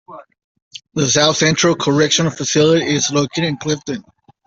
The South Central Correctional Facility is located in Clifton.